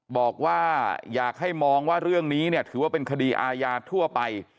บอกว่าอยากให้มองว่าเรื่องนี้เนี่ยถือว่าเป็นคดีอาญาทั่วไป